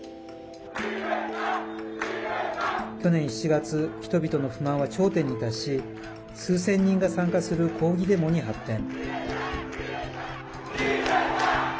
去年７月人々の不満は頂点に達し数千人が参加する抗議デモに発展。